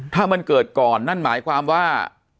ถ้ามันเกิดก่อนนั่นหมายความว่า